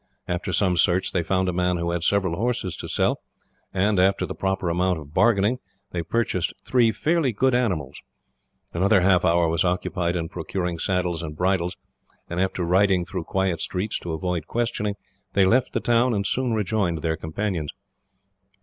After some search, they found a man who had several horses to sell, and, after the proper amount of bargaining, they purchased three fairly good animals. Another half hour was occupied in procuring saddles and bridles, and, after riding through quiet streets to avoid questioning, they left the town, and soon rejoined their companions.